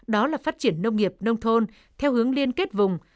đó là phát triển nông nghiệp nông thôn theo hướng liên kết vùng